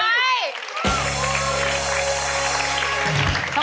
ไม่ใช้